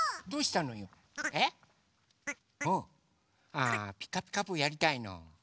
あ「ピカピカブ！」やりたいの？